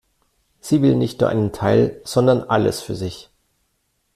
Sie will nicht nur einen Teil, sondern alles für sich.